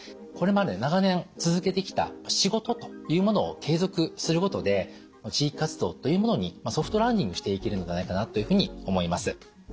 これまで長年続けてきた仕事というものを継続することで地域活動というものにソフトランディングしていけるのではないかなというふうに思います。